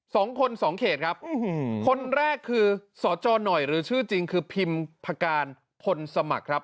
สองคนสองเขตครับคนแรกคือสจหน่อยหรือชื่อจริงคือพิมพการพลสมัครครับ